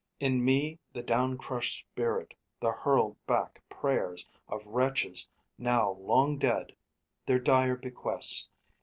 In me the down crushed spirit, the hurled back prayers Of wretches now long dead, their dire bequests.